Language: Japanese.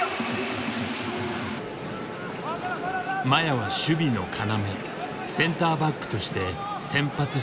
麻也は守備の要センターバックとして先発出場した。